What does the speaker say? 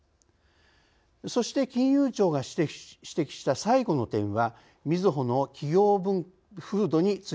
そして金融庁が指摘した最後の点はみずほの企業風土についてでした。